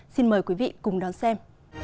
xin mời quý vị cùng đón xem